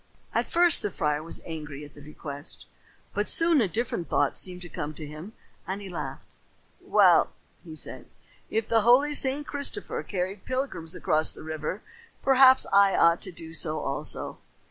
At first the friar was angry at the request, but soon a different thought seemed to come to him and he laughed. "Well," he said, "if the holy St. Christopher carried pilgrims across the river, perhaps I ought to do so also.